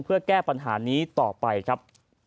เพื่อแก้ปัญหานี้ต่อไปครับ